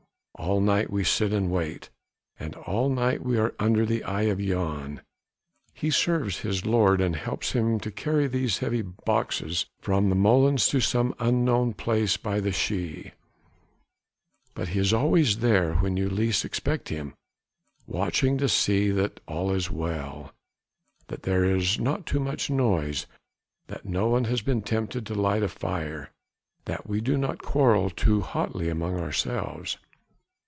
All night we sit and wait, and all night we are under the eye of Jan. He serves his lord and helps him to carry those heavy boxes from the molens to some unknown place by the Schie, but he is always there when you least expect him, watching to see that all is well, that there is not too much noise, that no one has been tempted to light a fire, that we do not quarrel too hotly among ourselves.